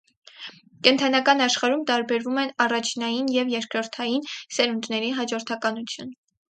Կենդանական աշխարհում տարբերում են առաջնային և երկրորդային սերունդների հաջորդականություն։